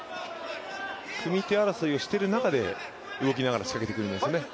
組み手争いをしている中で動きながら仕掛けてくるんですよね。